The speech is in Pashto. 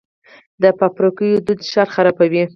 د فابریکو لوګي ښار خرابوي.